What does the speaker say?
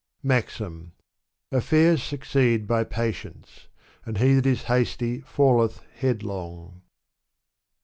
iCAxm. AfEeurs succeed by patience; and he that is hasty Meth headlong.